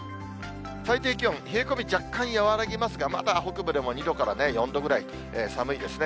最低気温、冷え込み、若干和らぎますが、まだ北部でも２度から４度ぐらい、寒いですね。